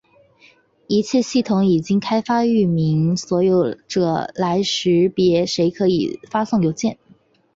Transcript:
一些系统已经开发域名所有者来识别谁可以发送邮件。